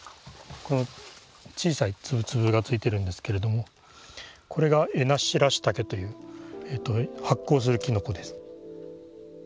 この小さい粒々がついてるんですけれどもこれがエナシラッシタケという発光するきのこです。